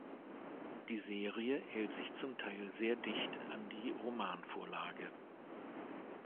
Die Serie hält sich zum Teil sehr dicht an die Romanvorlage.